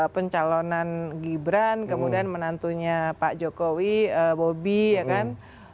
pencalonan gibran kemudian menantunya pak jokowi bobby ya kan